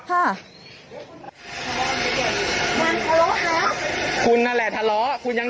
ตอนเสริมนี่ต้องพอแอลกขยับใหม่